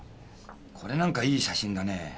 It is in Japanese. これなんかいい写真だね。